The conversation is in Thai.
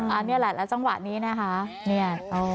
อันนี้แหละแล้วจังหวะนี้นะคะเนี่ย